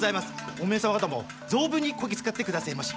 おめえ様方も存分にこき使ってくだせぇまし！